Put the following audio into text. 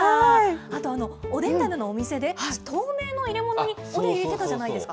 あと、おでん種のお店で透明の入れ物におでん入れてたじゃないですか。